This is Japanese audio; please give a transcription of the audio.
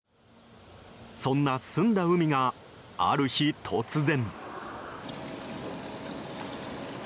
そんな澄んだ海がある日、突然。